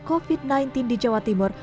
covid sembilan belas di jawa timur